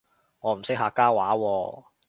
我唔識客家話喎